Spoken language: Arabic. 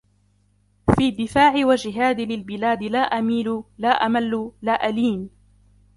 في دِفَاعِي وجِهَادِي للبلاد لا أَمِيلُ لا أَمَّلُّ لا أَلِيْن